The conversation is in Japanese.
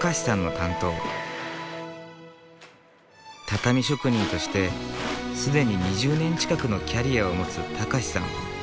畳職人として既に２０年近くのキャリアを持つ敬さん。